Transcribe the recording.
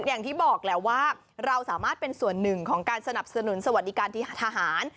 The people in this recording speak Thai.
อย่างที่บอกแหละว่าเราสามารถเป็นส่วนหนึ่งของการสนับสนุนสวัสดิการที่ทหาร